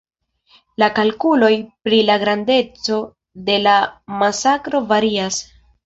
La kalkuloj pri la grandeco de la masakro varias.